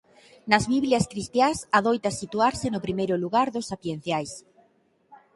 Nas Biblias cristiás adoita situarse no primeiro lugar dos sapienciais.